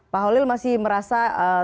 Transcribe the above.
pak holil masih merasa